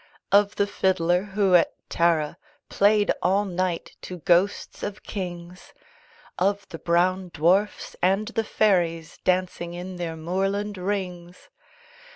Of the fiddler who at Tara Played all night to ghosts of kings; Of the brown dwarfs, and the fairies Dancing in their moorland rings!